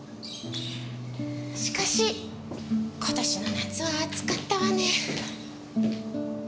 しかし今年の夏は暑かったわね。